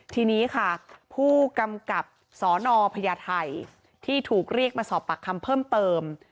ทีนี้ค่ะผู้กำกับสนพญาไทยที่ถูกเรียกมาสอบปากคำเพิ่มเติม